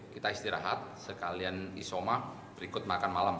kita istirahat sekalian isoma berikut makan malam